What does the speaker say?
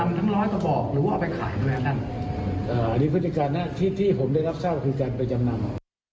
อ่าอันนี้พฤติการที่ผมได้รับทราบคือการไปจำนำ